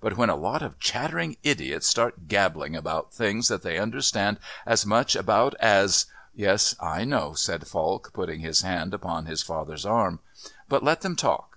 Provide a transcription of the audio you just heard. But when a lot of chattering idiots start gabbling about things that they understand as much about as " "Yes, I know," said Falk, putting his hand upon his father's arm. "But let them talk.